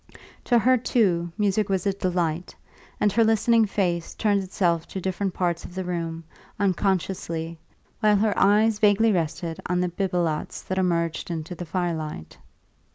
To her, too, music was a delight, and her listening face turned itself to different parts of the room, unconsciously, while her eyes vaguely rested on the bibelots that emerged into the firelight.